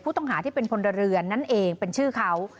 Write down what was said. ที่เป็นพลเรือนนั่นเองเป็นชื่อเขา